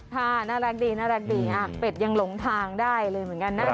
น่ารักดีน่ารักดีเป็ดยังหลงทางได้เลยเหมือนกันนะ